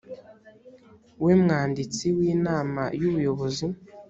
we mwanditsi w inama y ubuyobozi